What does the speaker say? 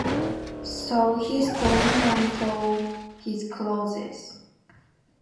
So he screamed and tore his clothes.